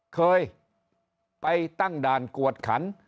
เคยไปตั้งด่านกวดขัน